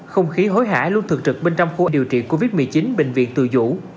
không khí hối hải luôn thường trực bên trong khu điều trị covid một mươi chín bệnh viện từ dũ